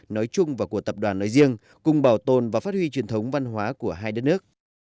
nói chung và của tập đoàn nói riêng cùng bảo tồn và phát huy truyền thống văn hóa của hai đất nước